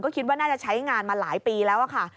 คิดว่าน่าจะใช้งานมาหลายปีแล้วค่ะ